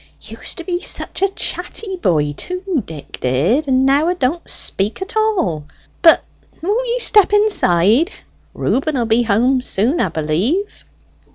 Used to be such a chatty boy, too, Dick did; and now 'a don't speak at all. But won't ye step inside? Reuben will be home soon, 'a b'lieve."